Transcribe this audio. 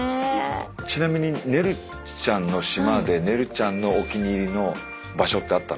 ちなみにねるちゃんの島でねるちゃんのお気に入り場所ってあったの？